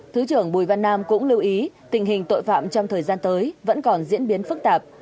thứ trưởng bùi văn nam cũng lưu ý tình hình tội phạm trong thời gian tới vẫn còn diễn biến phức tạp